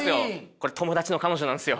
これ友達の彼女なんですよ。